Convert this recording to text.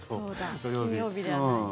金曜日じゃない。